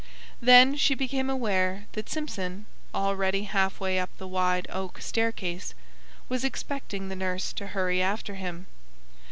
Then she became aware that Simpson, already half way up the wide oak staircase, was expecting the nurse to hurry after him.